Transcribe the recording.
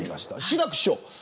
志らく師匠